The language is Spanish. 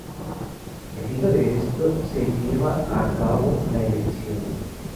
Seguido de esto se lleva a cabo la elección.